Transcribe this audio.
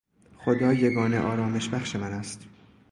خدا یگانه آرامبخش من است.